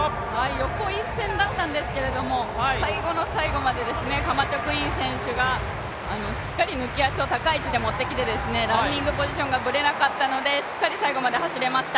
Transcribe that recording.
横一線だったんですけれども、最後の最後までカマチョクイン選手がしっかり抜き足を高い位置で持ってきて、ランニングポジションがブレなかったのでしっかり最後まで走れました。